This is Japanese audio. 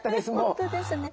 本当ですね。